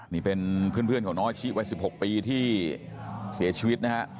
นี่เป็นเพื่อนของน้องอาชิวัย๑๖ปีที่เสียชีวิตนะฮะ